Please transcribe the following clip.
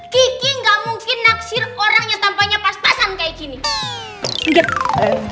kiki gak mungkin naksir orang yang tampaknya pas pasan kayak gini